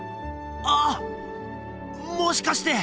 あっもしかして！